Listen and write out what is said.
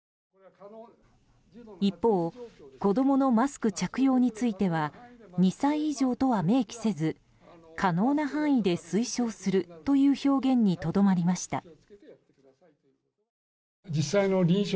一方子供のマスク着用については２歳以上とは明記せず可能な範囲で推奨するという表現にとどまりました。